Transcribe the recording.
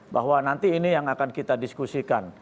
bahwa nanti ini yang akan kita diskusikan